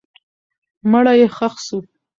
مړی یې ښخ سو.